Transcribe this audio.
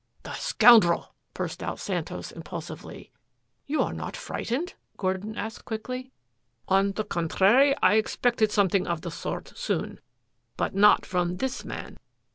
"The scoundrel," burst out Santos impulsively. "You are not frightened?" Gordon asked quickly. "On the contrary, I expected something of the sort soon, but not from this man.